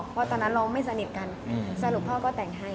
เพราะตอนนั้นเราไม่สนิทกันสรุปพ่อก็แต่งให้